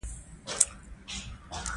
هغه بايد وګډېږي